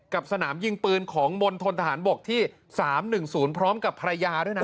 สนามยิงปืนของมณฑนทหารบกที่๓๑๐พร้อมกับภรรยาด้วยนะ